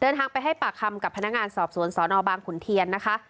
เดินทางไปให้ปากคำกับพนักงานสอบสวนสนบางขุนเทียนนะคะ